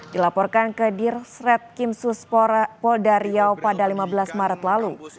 dilaporkan ke dirsret kim suspo daryaw pada lima belas maret lalu